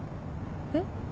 えっ？